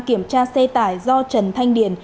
kiểm tra xe tải do trần thanh điền